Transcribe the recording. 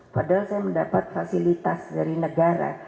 padahal saya mendapat fasilitas dari negara